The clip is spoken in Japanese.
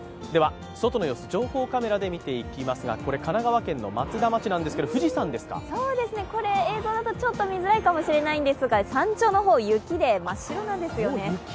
外の様子、情報カメラで見ていきますが、神奈川県の松田町なんですけど、映像だとちょっと見にくいかもしれませんが山頂の方、雪で真っ白なんですよね。